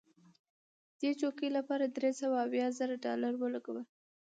دې چوکۍ لپاره درې سوه اویا زره ډالره ولګول.